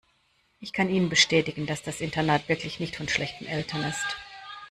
Ich kann Ihnen bestätigen, dass das Internat wirklich nicht von schlechten Eltern ist.